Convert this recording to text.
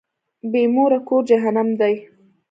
بی موره کور جهنم دی.